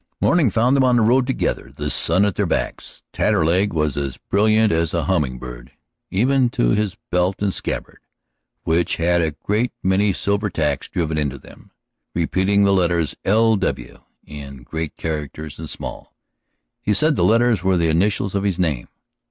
Morning found them on the road together, the sun at their backs. Taterleg was as brilliant as a humming bird, even to his belt and scabbard, which had a great many silver tacks driven into them, repeating the letters LW in great characters and small. He said the letters were the initials of his name.